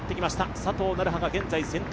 佐藤成葉が現在先頭。